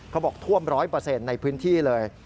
เขาบอกท่วม๑๐๐ในพื้นที่เลย